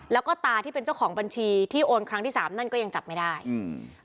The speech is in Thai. แล้วก็ตาที่เป็นเจ้าของบัญชีที่โอนครั้งที่สามนั่นก็ยังจับไม่ได้อืม